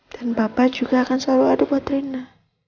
dan papa juga akan selalu ada buat rina